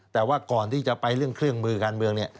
แต่ว่าก่อนที่จะไปเรื่องเครื่องมือการเมืองเนี่ย